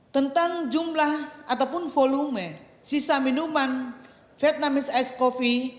tentang jumlah ataupun volume sisa minuman vietnamese ice coffee